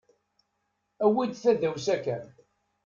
Awi-d tadawsa kan.